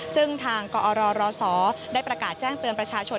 ซึ่งทางกอรรศได้ประกาศแจ้งเตือนประชาชน